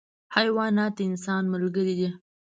حیوانات د انسان ملګري دي.